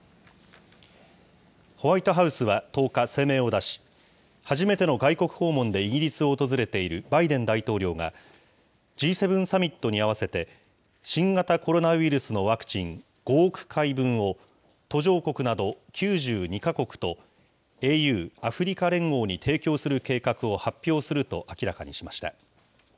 ホワイトハウスは１０日、声明を出し、初めての外国訪問でイギリスを訪れているバイデン大統領が、Ｇ７サミットに合わせて、新型コロナウイルスのワクチン５億回分を、途上国など９２か国と、ＡＵ・アフリカ連合に提供する計画を発表すると明らかにしました。